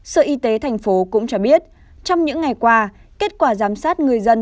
sở y tế tp hcm cũng cho biết trong những ngày qua kết quả giám sát người dân